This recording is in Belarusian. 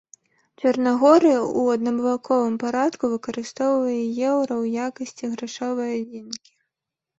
Чарнагорыя ў аднабаковым парадку выкарыстоўвае еўра ў якасці грашовай адзінкі.